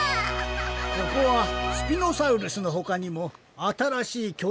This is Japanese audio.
ここはスピノサウルスのほかにもあたらしいきょ